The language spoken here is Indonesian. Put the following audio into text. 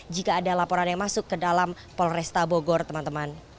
jika ada laporan yang masuk ke dalam polresta bogor teman teman